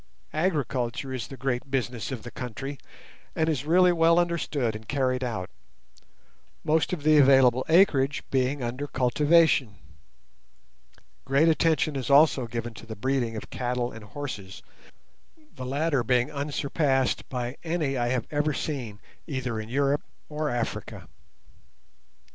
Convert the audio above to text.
Agriculture is the great business of the country, and is really well understood and carried out, most of the available acreage being under cultivation. Great attention is also given to the breeding of cattle and horses, the latter being unsurpassed by any I have ever seen either in Europe or Africa.